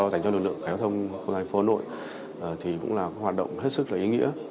dành cho lực lượng khai hóa thông không gian phố nội thì cũng là hoạt động hết sức ý nghĩa